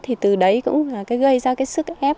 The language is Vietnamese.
thì từ đấy cũng gây ra cái sức ép